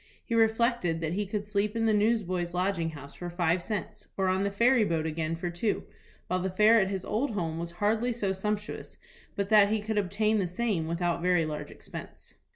He reflected that he could sleep in the Newsboys' Lodging House for five cents, or on the ferry boat again for two, while the fare at his old home was hardly so sumptuous but that he could obtain the same without very large expense.